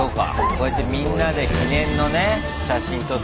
こうやってみんなで記念のね写真撮ったりしながら。